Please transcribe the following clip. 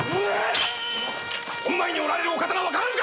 御前におられるお方が分からぬか！